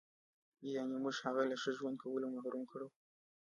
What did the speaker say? یعنې موږ هغه له ښه ژوند کولو محروم کړو.